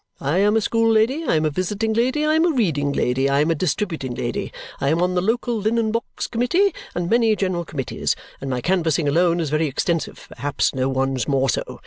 I am a School lady, I am a Visiting lady, I am a Reading lady, I am a Distributing lady; I am on the local Linen Box Committee and many general committees; and my canvassing alone is very extensive perhaps no one's more so.